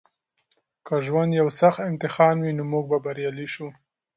که ژوند یو سخت امتحان وي نو موږ به بریالي شو.